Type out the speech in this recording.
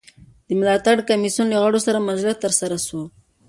د ملاتړ کمېسیون له غړو سره مجلس ترسره سو.